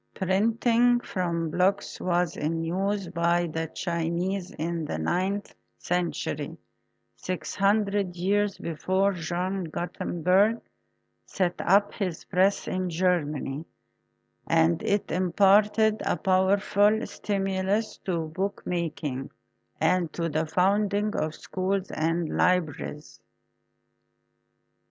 Printing from blocks was in use by the Chinese in the ninth century, six hundred years before John Gutenberg set up his press in Germany, and it imparted a powerful stimulus to bookmaking and to the founding of schools and libraries.